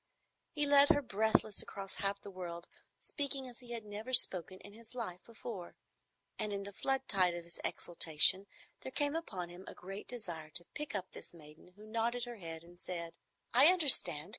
He led her breathless across half the world, speaking as he had never spoken in his life before. And in the flood tide of his exaltation there came upon him a great desire to pick up this maiden who nodded her head and said, "I understand.